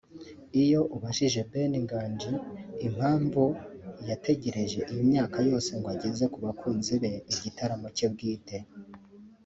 Iyo ubajije Ben Nganji impamvu yategereje iyi myaka yose ngo ageze ku bakunzi be igitaramo cye bwite